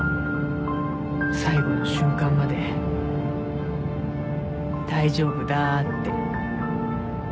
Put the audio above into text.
最期の瞬間まで大丈夫だって。